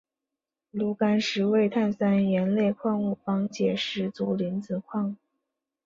炉甘石为碳酸盐类矿物方解石族菱锌矿。